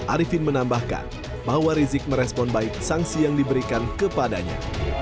arifin menambahkan bahwa rizik merespon baik sanksi yang diberikan kepadanya